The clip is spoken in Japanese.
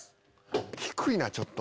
低いなちょっと。